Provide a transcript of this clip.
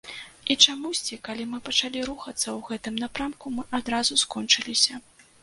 І чамусьці, калі мы пачалі рухацца ў гэтым напрамку, мы адразу скончыліся.